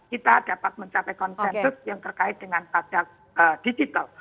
kita dapat mencapai konsensus yang terkait dengan pajak digital